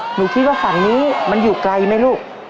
หนูคิดว่าฝั่งนี้มันอยู่ไกลไหมลูก